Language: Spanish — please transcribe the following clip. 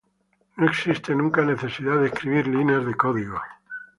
No existe nunca necesidad de escribir líneas de código.